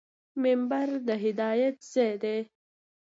منبر د هدایت ځای دی